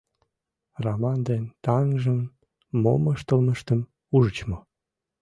— Раман ден таҥжын мом ыштылмыштым ужыч мо?